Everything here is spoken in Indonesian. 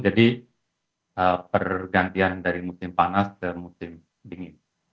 jadi pergantian dari musim panas ke musim dingin